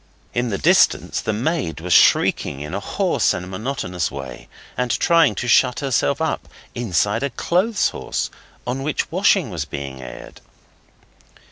In the distance the maid was shrieking in a hoarse and monotonous way, and trying to shut herself up inside a clothes horse on which washing was being aired.